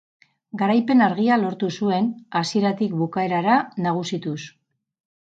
Garaipen argia lortu zuen, hasieratik bukaerara nagusituz.